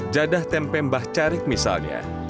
jadah tempe mbah carik misalnya